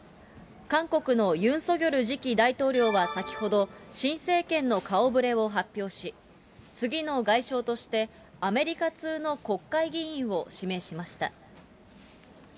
韓国のユン・ソギョル次期大統領は、先ほど、新政権の顔ぶれを発表し、次の外相として、アメリカ通の国会議員を指名しました。